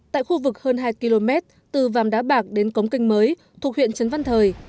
tại khu vực hơn hai km từ vàm đá bạc đến cống kênh mới thuộc huyện trấn văn thời